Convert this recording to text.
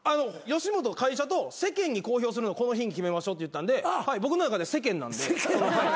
会社と世間に公表するのこの日に決めましょうって言ったんで僕の中では世間なんで。